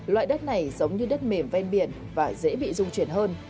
loại đất này giống như đất mềm ven biển và dễ bị dung chuyển hơn